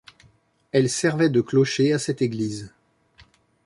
Elle servait de clocher à cette église.